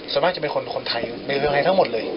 ส่วนมากจะเป็นคนไทยเป็นคนไทยทั้งหมดเลย